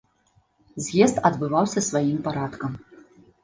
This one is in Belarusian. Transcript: З'езд адбываўся сваім парадкам.